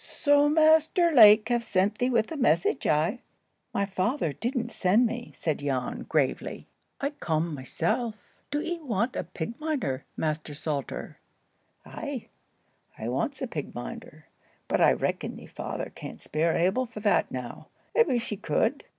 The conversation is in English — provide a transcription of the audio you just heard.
"So Master Lake have sent thee with a message, eh?" "My father didn't send me," said Jan, gravely. "I come myself. Do 'ee want a pig minder, Master Salter?" "Ay, I wants a pig minder. But I reckon thee father can't spare Abel for that now. A wish he could.